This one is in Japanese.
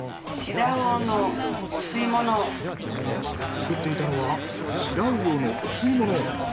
作っていたのはシラウオのお吸い物。